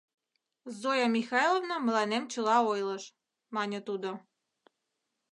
— Зоя Михайловна мыланем чыла ойлыш, — мане тудо.